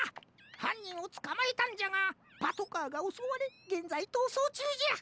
はんにんをつかまえたんじゃがパトカーがおそわれげんざいとうそうちゅうじゃ！